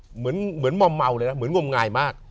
เหมือนเหม่าเหม่าเลยนะเหมือนงง่ายมาก